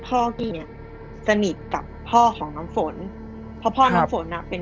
กี้เนี่ยสนิทกับพ่อของน้ำฝนเพราะพ่อน้ำฝนอ่ะเป็น